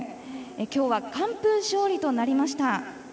今日は完封勝利となりました。